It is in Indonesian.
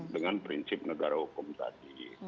dengan prinsip negara hukum tadi